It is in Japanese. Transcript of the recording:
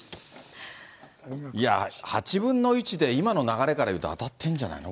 いやー、８分の１で、今の流れからいうと当たってるんじゃないの？